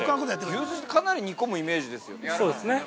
◆牛すじかなり煮込むイメージですよ。